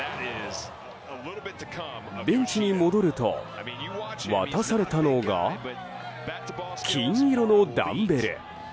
ベンチに戻ると渡されたのが金色のダンベル。